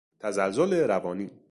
تزلزل روانی